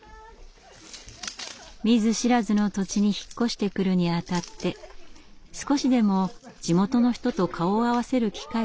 見ず知らずの土地に引っ越してくるにあたって少しでも地元の人と顔を合わせる機会を増やしたいと考えてのことです。